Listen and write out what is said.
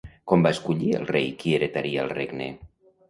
Com va escollir el rei qui heretaria el regne?